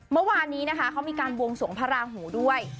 เมื่อวานนี้นะคะเขามีการบวงสวงพระราหูด้วย